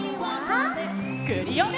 クリオネ！